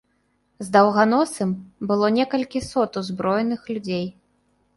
З даўганосым было некалькі сот узброеных людзей.